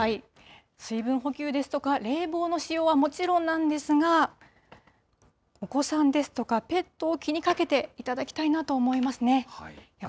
水分補給ですとか、冷房の使用はもちろんなんですが、お子さんですとか、ペットを気にかけていただきたいなと思いますね。